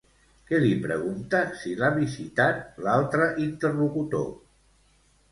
Qui li pregunta si l'ha visitat, l'altre interlocutor?